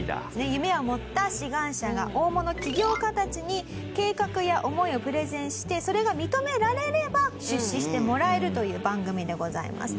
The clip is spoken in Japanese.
夢を持った志願者が大物起業家たちに計画や思いをプレゼンしてそれが認められれば出資してもらえるという番組でございます。